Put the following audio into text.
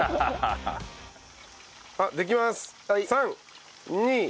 あっできます。